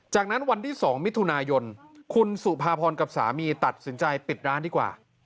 จากนั้นวันที่๒มิถุนายนคุณสุภาพรกับสามีตัดสินใจปิดร้านดีกว่า